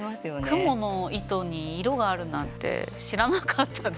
クモの糸に色があるなんて知らなかったです。